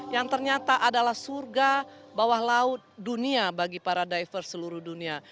yang ternyata adalah surga bawah laut dunia bagi para diver seluruh dunia